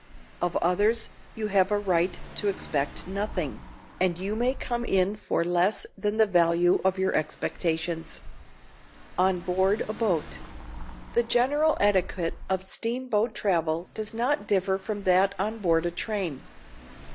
Of others you have a right to expect nothing, and you may come in for less than the value of your expectations. [Sidenote: ON BOARD A BOAT] The general etiquette of steamboat travel does not differ from that on board a train.